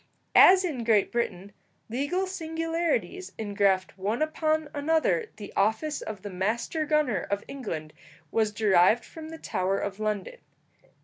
As in Great Britain legal singularities engraft one upon another the office of the master gunner of England was derived from the Tower of London.